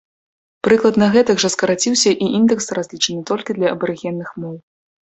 Прыкладна гэтак жа скараціўся і індэкс, разлічаны толькі для абарыгенных моў.